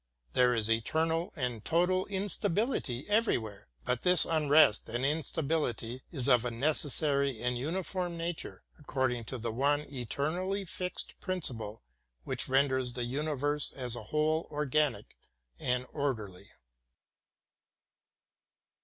There is eternal and total instability every where. But this unrest and instability is of a necessary and uniform nature, according to the one eternally fixed princi ple which renders the universe as a whole organic and orderly.